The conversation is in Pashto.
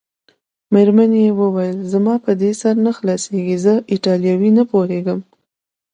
مېرمنې وویل: زما په دې سر نه خلاصیږي، زه ایټالوي نه پوهېږم.